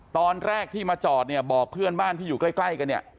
ตอนแรกที่มาจอดเนี่ยบอกเพื่อนบ้านที่อยู่ใกล้กันเนี่ย